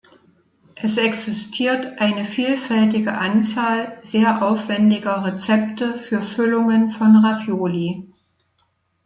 Es existiert eine vielfältige Anzahl sehr aufwendiger Rezepte für Füllungen von Ravioli.